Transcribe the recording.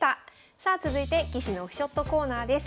さあ続いて棋士のオフショットコーナーです。